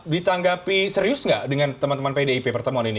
ditanggapi serius nggak dengan teman teman pdip pertemuan ini